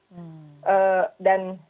dan dugaan saya juga pasti itu disetujui